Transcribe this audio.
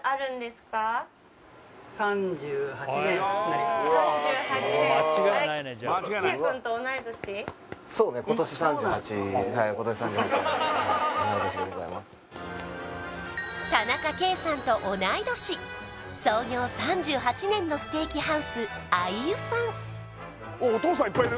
すごーい田中圭さんと同い年創業３８年のステーキハウス亜伊由さん